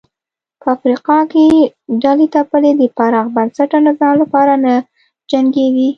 په افریقا کې ډلې ټپلې د پراخ بنسټه نظام لپاره نه جنګېدې.